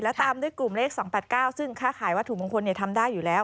แล้วตามด้วยกลุ่มเลข๒๘๙ซึ่งค่าขายวัตถุมงคลทำได้อยู่แล้ว